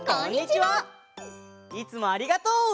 いつもありがとう！